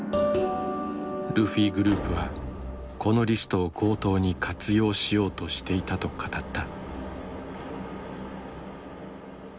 ルフィグループはこのリストを強盗に活用しようとしていたと語った。